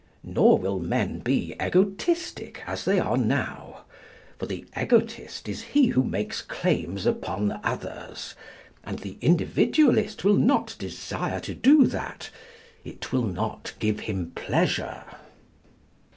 Nor will men be egotistic as they are now. For the egotist is he who makes claims upon others, and the Individualist will not desire to do that. It will not give him pleasure.